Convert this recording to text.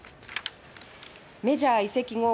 メジャー移籍後